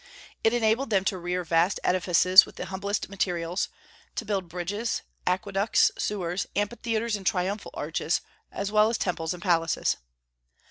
It enabled them to rear vast edifices with the humblest materials, to build bridges, aqueducts, sewers, amphitheatres, and triumphal arches, as well as temples and palaces.